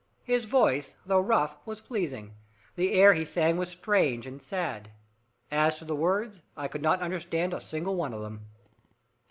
His voice, though rough, was pleasing, the air he sang was strange and sad. As to the words, I could not understand a single one of them.